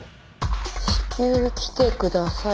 「至急来て下さい」